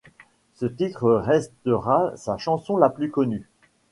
Ce titre restera sa chanson la plus connue.